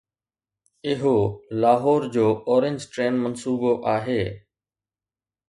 اهو لاهور جو orange train منصوبو آهي.